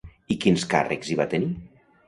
I quins càrrecs hi va tenir?